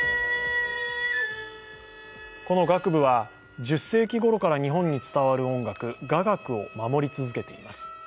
この楽部は１０世紀ごろから日本に伝わる音楽雅楽を守り続けています。